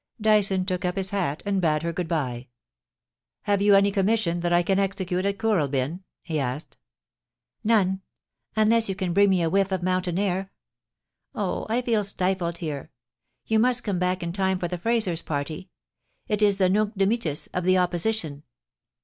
Dyson took up his hat and bade her good bye. * Have you any commission that I can execute at Kooral byn?* he asked. * None — unless you can bring me a whiff of mountain air. Oh ! I feel stifled here. You must come back in time for the Frazers' party. It is the "Nunc Dimittis" of the Opposition.'